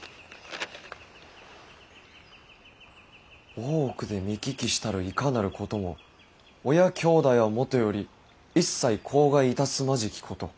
大奥で見聞きしたるいかなることも親兄弟はもとより一切口外いたすまじきこと。